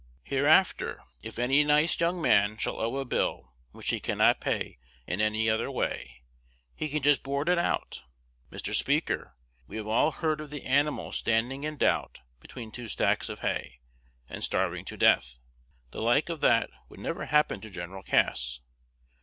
Hereafter, if any nice young man shall owe a bill which he cannot pay in any other way, he can just board it out. Mr. Speaker, we have all heard of the animal standing in doubt between two stacks of hay, and starving to death: the like of that would never happen to Gen. Cass.